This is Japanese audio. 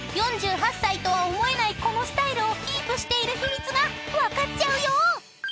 ［４８歳とは思えないこのスタイルをキープしている秘密が分かっちゃうよ］